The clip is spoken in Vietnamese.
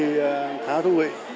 thì khá thú vị